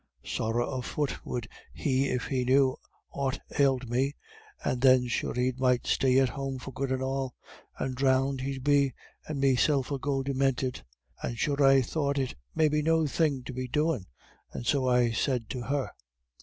Sorra a fut would he if he knew aught ailed me; and then sure he might stay at home for good and all; and dhrownded he'll be, and meself'ill go deminted.' And sure I thought it was maybe no thing to be doin', and so I said to her.